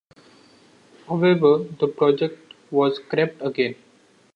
However, the project was scrapped again.